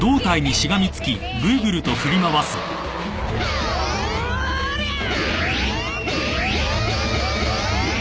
おーりゃあ！